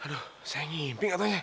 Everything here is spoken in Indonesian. aduh saya mimpi katanya